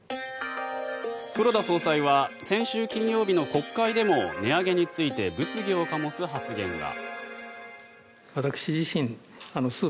黒田総裁は先週金曜日の国会でも値上げについて物議を醸す発言が。